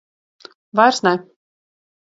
Vairs ne.